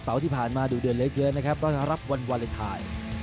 เสาที่ผ่านมาโดดเหลือเกินนะครับต้องการรับพอมูลวาลัยไทย